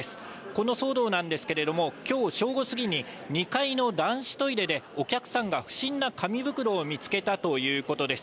この騒動なんですけれども、きょう正午過ぎに、２階の男子トイレでお客さんが不審な紙袋を見つけたということです。